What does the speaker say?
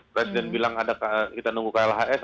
presiden bilang kita nunggu klhs